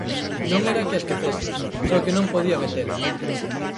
Non era que a esquecese, só que non podía metela.